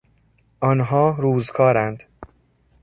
آنها روز کارند.